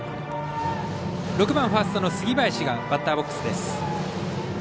６番ファーストの杉林がバッターボックスです。